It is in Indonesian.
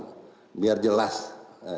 kita akan membuat kelelasan